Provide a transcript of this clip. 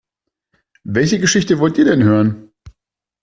Welche Geschichte wollt ihr denn hören?